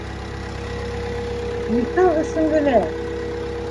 - Миҫал өсөн генә...